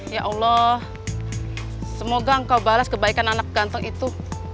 ya allah semoga engkau balas kebaikan anak gantung itu